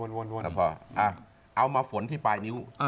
ใช่ให้เอกย์จี้้วยมั้ย